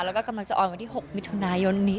แล้วก็กำลังจะออนวันที่๖มิถุนายนนี้